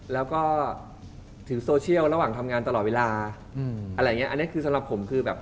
แล้วก็ถึงโซเชียลระหว่างทำงานตลอดเวลาอืมอะไรอย่างเงี้อันนี้คือสำหรับผมคือแบบ